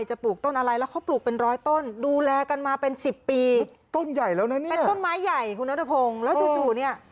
แล้วเขาปลูกเป็นร้อยต้นดูแลกันมาเป็น๑๐ปี